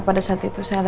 gak mak impulse